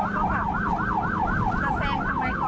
มาหาความจริงป่ะ